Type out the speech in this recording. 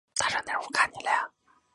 其名称来燕科的尾翼。